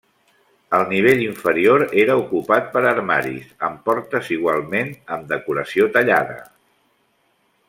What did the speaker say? El nivell inferior era ocupat per armaris, amb portes igualment amb decoració tallada.